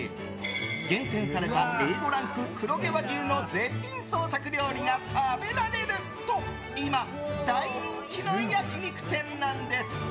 厳選されたＡ５ランク黒毛和牛の絶品創作料理が食べられると今、大人気の焼き肉店なんです。